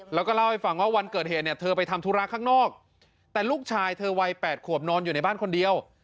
แล้วก็เล่าให้ฟังว่าวันเกิดเหตุเนี่ยเธอไปทำธุระข้างนอกแต่ลูกชายเธอวัย๘ขวบนอนอยู่ในบ้านคนเดียว